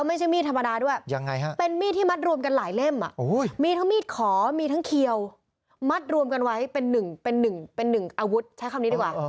มีทั้งมีดขอมีทั้งเขียวมัดรวมกันไว้เป็นหนึ่งเป็นหนึ่งเป็นหนึ่งอาวุธใช้คำนี้ดีกว่า